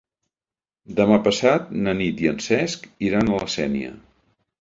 Demà passat na Nit i en Cesc iran a la Sénia.